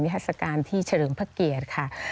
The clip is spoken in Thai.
มิถรศการที่เฉลิงภเกียรตร